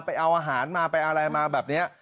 ไปเอาอาหารมาไปอะไรมาแบบนี้